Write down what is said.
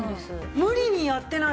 無理にやってない。